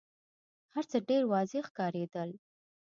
هرڅه ډېر واضح ښکارېدل.